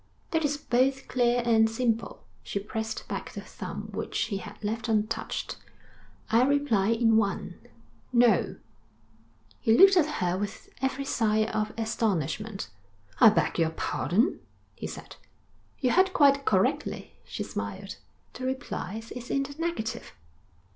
'That is both clear and simple.' She pressed back the thumb which he had left untouched. 'I reply in one: no.' He looked at her with every sign of astonishment. 'I beg your pardon?' he said. 'You heard quite correctly,' she smiled. 'The reply is in the negative.'